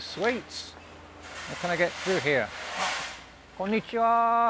こんにちは。